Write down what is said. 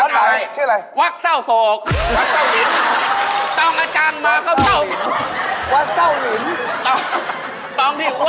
มีเสือสองผึงหมองสองใบ